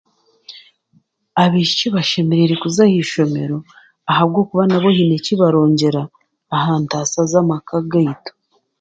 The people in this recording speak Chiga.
Abaishiki bashemereire kuza aha ishomero ahabwokuba nabo haine ekibarongyera aha ntasa zamaka gaitu